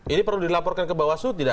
ini perlu dilaporkan ke bawah sud tidak